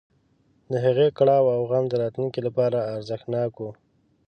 د هغې کړاو او غم د راتلونکي لپاره ارزښتناک نه و.